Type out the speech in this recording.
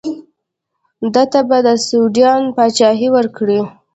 ده ته به د سوډان پاچهي ورکړي.